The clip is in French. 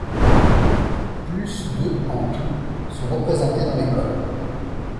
Plus de en tout sont représentés dans l’école.